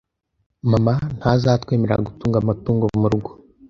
Mama ntazatwemerera gutunga amatungo mu rugo.